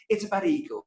ini tentang ego